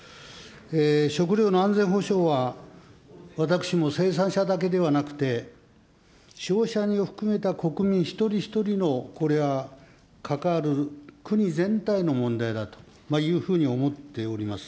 食料の安全保障は、私も生産者だけではなくて、を含めた国民一人一人のこれは関わる国全体の問題だというふうに思っております。